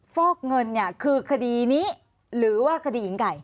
ฟอกเงินเนี่ยคือคดีนี้หรือว่าคดีหญิงไก่